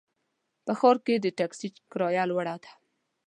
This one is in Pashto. په ښار کې د ټکسي کرایه لوړه ده.